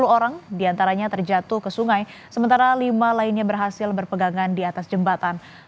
sepuluh orang diantaranya terjatuh ke sungai sementara lima lainnya berhasil berpegangan di atas jembatan